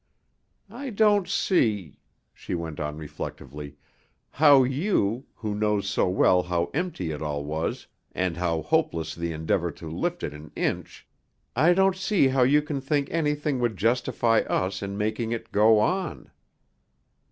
I don't see," she went on reflectively, "how you, who know so well how empty it all was, and how hopeless the endeavor to lift it an inch, I don't see how you can think anything would justify us in making it go on."